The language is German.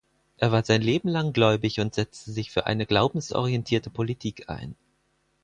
Er war sein Leben lang gläubig und setzte sich für eine glaubensorientierte Politik ein.